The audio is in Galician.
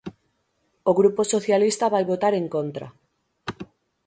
O Grupo Socialista vai votar en contra.